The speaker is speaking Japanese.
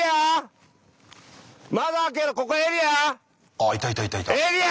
あっいたいたいたいた！